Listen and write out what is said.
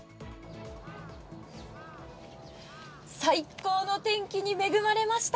最高の天気に恵まれました。